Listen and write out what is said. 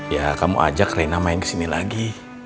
ya kamu ajak rena main kesini lagi